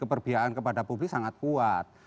keperbiaan kepada publik sangat kuat